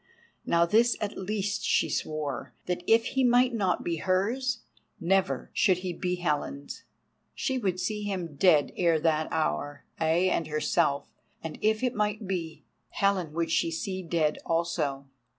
Now this at least she swore, that if he might not be hers, never should he be Helen's. She would see him dead ere that hour, ay, and herself, and if it might be, Helen would she see dead also.